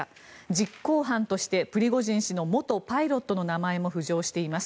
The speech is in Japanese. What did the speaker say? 実行犯としてプリゴジン氏の元パイロットの名前も浮上しています。